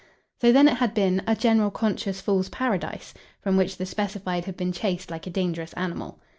So then it had been a general conscious fool's paradise, from which the specified had been chased like a dangerous animal.